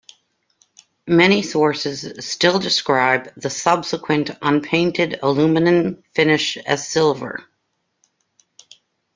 Many sources still describe the subsequent unpainted aluminium finish as "silver".